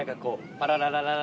パララララ。